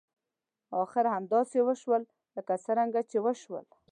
اخر همداسې وشول لکه څنګه چې وشول.